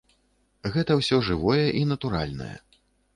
Гэта ўсё жывое і натуральнае.